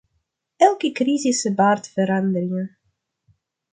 Elke crisis baart veranderingen.